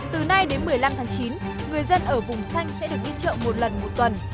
từ nay đến một mươi năm tháng chín người dân ở vùng xanh sẽ được đi chợ một lần một tuần